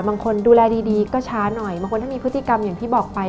บางคนดูแลดีก็ช้าหน่อยบางคนถ้ามีพฤติกรรมอย่างที่บอกไป